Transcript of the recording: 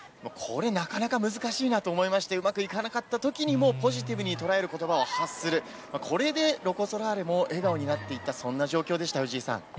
これ、なかなか難しいなと思いまして、うまくいかなかったときにも、ポジティブに捉えることばを発する、これでロコ・ソラーレも笑顔になっていった、そんな状況でした、藤井さん。